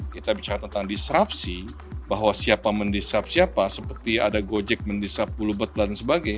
kita bicara tentang disrupsi bahwa siapa mendisrupsi siapa seperti ada gojek mendisrupsi bulu betel dan sebagainya